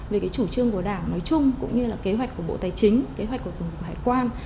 về cái chủ trương của đảng nói chung cũng như là kế hoạch của bộ tài chính kế hoạch của tổng cục hải quan